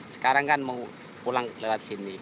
sekarang kan mau pulang lewat sini